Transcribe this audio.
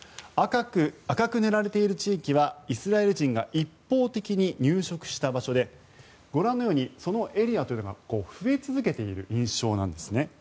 赤く塗られている地域はイスラエル人が一方的に入植した場所でご覧のようにそのエリアというのは増え続けている印象です。